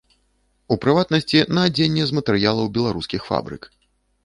У прыватнасці, на адзенне з матэрыялаў беларускіх фабрык.